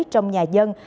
trong nhà dân